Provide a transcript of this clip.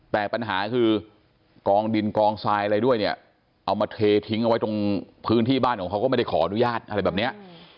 แต่ปัญหาคือกองดินกองทรายอะไรด้วยเนี่ยเอามาเททิ้งเอาไว้ตรงพื้นที่บ้านของเขาก็ไม่ได้ขออนุญาตอะไรแบบเนี้ย